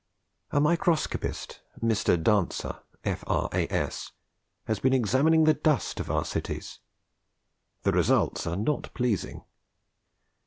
_ A microscopist, Mr. Dancer, F.R.A.S., has been examining the dust of our cities. The results are not pleasing.